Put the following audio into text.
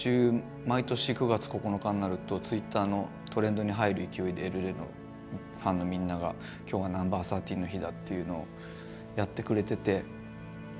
毎年９月９日になるとＴｗｉｔｔｅｒのトレンドに入る勢いでエルレのファンのみんなが今日は「Ｎｏ．１３」の日だっていうのをやってくれてて。